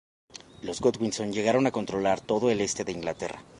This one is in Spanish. Los Godwinson llegaron a controlar todo el este de Inglaterra.